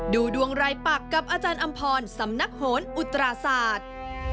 ดูดวงรายปักกับอาจารย์อำพรสำนักโหนอุตราศาสตร์